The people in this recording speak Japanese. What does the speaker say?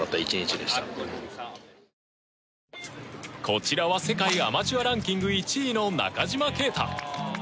こちらは世界アマチュアランキング１位の中島啓太。